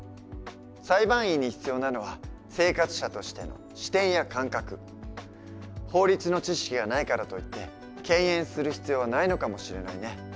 裁判員に必要なのは法律の知識がないからといって敬遠する必要はないのかもしれないね。